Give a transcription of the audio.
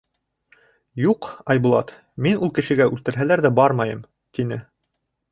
— Юҡ, Айбулат, мин ул кешегә үлтерһәләр ҙә бармайым, — тине.